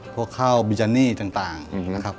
พวกข้าวบิจานี่ต่างนะครับ